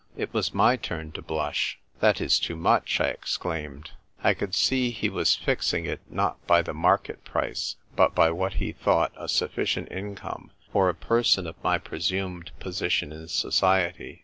It was my turn to blush. "That is too much," I exclaimed. I could see he was fixing it, not by the market price, but by what he thought a suffi cient income for a person of my presumed position in society.